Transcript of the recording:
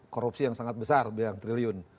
korupsi yang sangat besar yang triliun